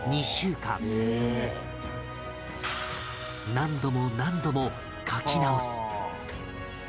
何度も何度も描き直す